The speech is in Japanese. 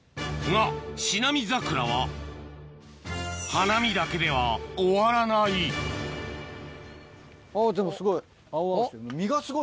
がシナミザクラは花見だけでは終わらないあぁでもすごい青々してる。